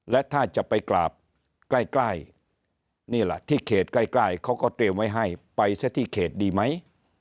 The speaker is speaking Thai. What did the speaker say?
และถ้าจะไปกราบใกล้นี่แหละที่เขตใกล้เขาก็เตรียมไว้ให้ไปซะที่เขตดีไหม